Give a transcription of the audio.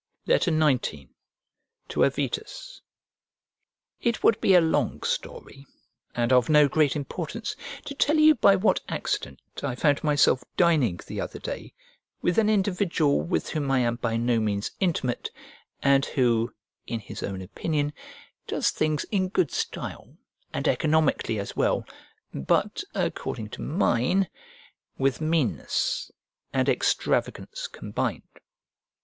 XIX To AVITUS IT would be a long story, and of no great importance, to tell you by what accident I found myself dining the other day with an individual with whom I am by no means intimate, and who, in his own opinion, does things in good style and economically as well, but according to mine, with meanness and extravagance combined.